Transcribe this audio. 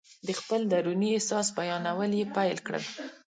د خپل دروني احساس بیانول یې پیل کړل.